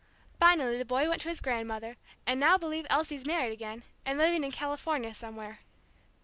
Finally the boy went to his grandmother, and now believe Elsie's married again, and living in California somewhere."